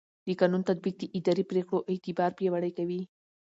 د قانون تطبیق د اداري پرېکړو اعتبار پیاوړی کوي.